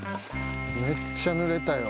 めっちゃぬれたよ。